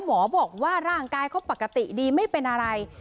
หมอบอกว่าร่างกายเขาปกติดีไม่เป็นอะไร